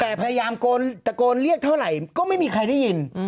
แต่พยายามตะโกนเรียกเท่าไหร่ก็ไม่มีใครได้ยิน